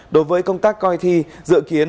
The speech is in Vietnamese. đối với công tác coi thi dự kiến